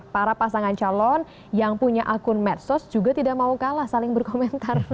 para pasangan calon yang punya akun medsos juga tidak mau kalah saling berkomentar